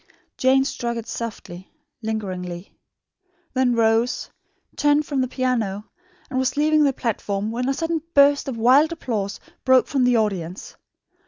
Jane struck it softly, lingeringly; then rose, turned from the piano, and was leaving the platform, when a sudden burst of wild applause broke from the audience.